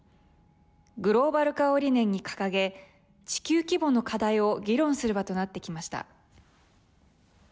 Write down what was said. グローバル化を理念に掲げ地球規模の課題を議論する場となってきました。